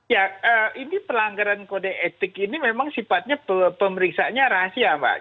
ya ini pelanggaran kode etik ini memang sifatnya pemeriksaannya rahasia mbak